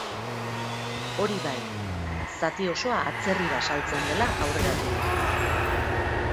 Hori bai, zati osoa atzerrira saltzen dela aurreratu du.